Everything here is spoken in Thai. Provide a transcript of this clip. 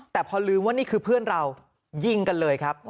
แต่พอลืมว่านี่คือเพื่อนเรายิงกันเลยครับ